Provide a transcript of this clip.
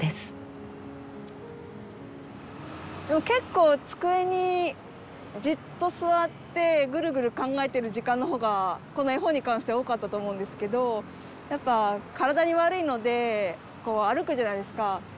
結構机にじっと座ってぐるぐる考えてる時間の方がこの絵本に関しては多かったと思うんですけどやっぱ体に悪いのでこう歩くじゃないですか。